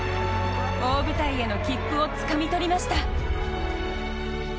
大舞台への切符をつかみ取りました。